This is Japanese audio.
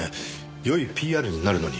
良いＰＲになるのに。